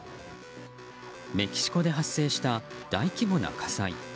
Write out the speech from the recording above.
メキシコで発生した大規模な火災。